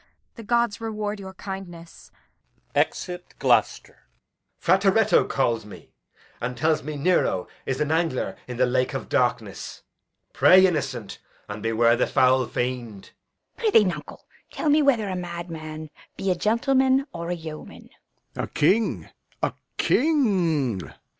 The gods reward your kindness! Exit [Gloucester]. Edg. Frateretto calls me, and tells me Nero is an angler in the lake of darkness. Pray, innocent, and beware the foul fiend. Fool. Prithee, nuncle, tell me whether a madman be a gentleman or a yeoman. Lear. A king, a king!